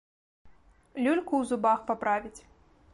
Люльку ў зубах паправіць.